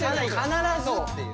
必ずっていう。